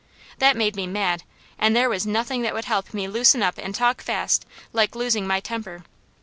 That made me mad, and there was nothing that would help me to loosen up and talk fast, like losing my temper.